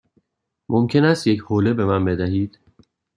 ممکن است یک حوله به من بدهید؟